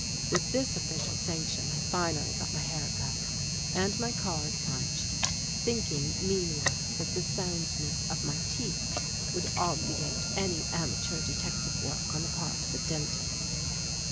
With this official sanction I finally got my hair cut and my card punched, thinking meanwhile that the soundness of my teeth would obviate any amateur detective work on the part of a dentist.